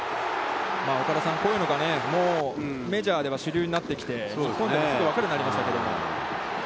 岡田さん、こういうのがメジャーでは主流になってきてよく分かるようになりましたけど。